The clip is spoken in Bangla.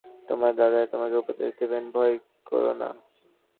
তোমার দাদাই তোমাকে উপদেশ দেবেন–ভয় কোরো না।